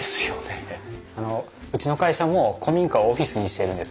あのうちの会社も古民家をオフィスにしてるんです。